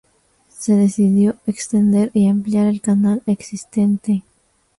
Se decidió extender y ampliar el canal existente.